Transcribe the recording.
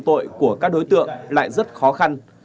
tội của các đối tượng lại rất khó khăn